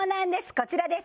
こちらです。